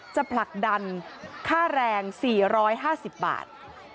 ผลักดันค่าแรง๔๕๐บาท